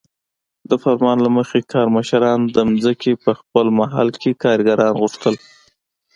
د فرمان له مخې کارمشرانو د ځمکې په خپل محل کې کارګران غوښتل.